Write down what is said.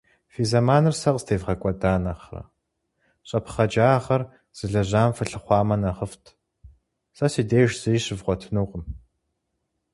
Фи зэманыр сэ къыстевгъэкӏуэда нэхърэ, щӏэпхъэджагъэр зылэжьам фылъыхъуамэ нэхъыфӏт. Сэ си деж зыри щывгъуэтынукъым.